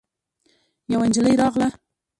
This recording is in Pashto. يوه نجلۍ راغله.